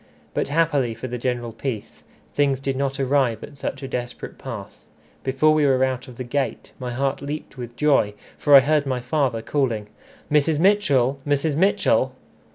But happily for the general peace, things did not arrive at such a desperate pass. Before we were out of the gate, my heart leaped with joy, for I heard my father calling, "Mrs. Mitchell! Mrs. Mitchell!"